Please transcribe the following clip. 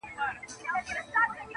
په یوه او بل نامه یې وو بللی،